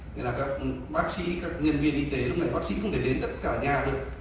nghĩa là các bác sĩ các nhân viên y tế lúc này bác sĩ không thể đến tất cả nhà đâu